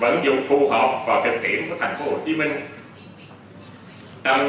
vẫn dùng phù hợp vào kịch tiễn của thành phố hồ chí minh